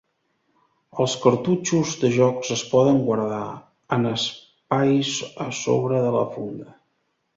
Els cartutxos de jocs es poden guardar en espais a sobre de la funda.